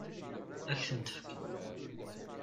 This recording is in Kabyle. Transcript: Ad k-tent-fken?